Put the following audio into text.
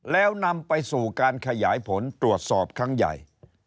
แล้วนำไปสู่การขยายผลตรวจสอบครั้งใหญ่